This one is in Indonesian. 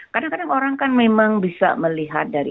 kadang kadang orang kan memang bisa melihat dari